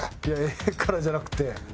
いや「ええから」じゃなくて。